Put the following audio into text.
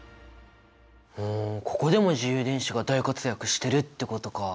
ふんここでも自由電子が大活躍してるってことか！